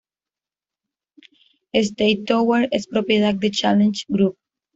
State Tower es propiedad de Challenge Group.